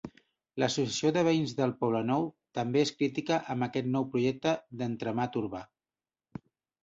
L'associació de veïns del Poblenou també és crítica amb aquest nou projecte d'entramat urbà.